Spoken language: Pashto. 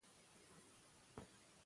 دوی هډوکي له پولې اخوا په بېپارانو پلوري.